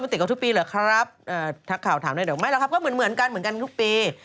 มันติดกับทุกปีเหรอครับถ้าข่าวถามได้เดี๋ยวไม่แล้วครับก็เหมือนกันทุกปี